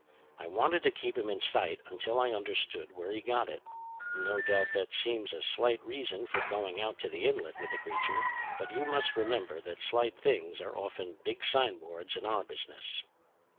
I wanted to keep him in sight until I understood where he got it. No doubt that seems a slight reason for going out to the Inlet with the creature; but you must remember that slight things are often big signboards in our business."